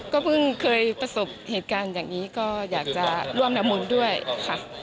ก็เพิ่งเคยประสบเหตุการณ์อย่างนี้ก็อยากจะร่วมน้ำมนต์ด้วยค่ะ